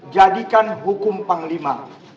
jadikan hukum panglima